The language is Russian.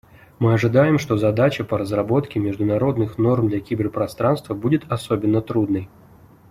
Мы ожидаем, что задача по разработке международных норм для киберпространства будет особенно трудной.